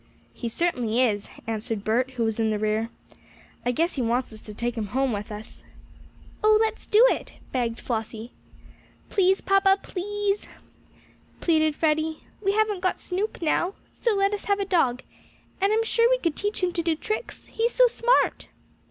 "He certainly is," answered Bert, who was in the rear. "I guess he wants us to take him home with us." "Oh, let's do it!" begged Flossie. "Please, papa," pleaded Freddie. "We haven't got Snoop now, so let us have a dog. And I'm sure we could teach him to do tricks he's so smart."